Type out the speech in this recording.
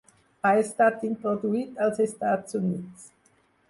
Ha estat introduït als Estats Units.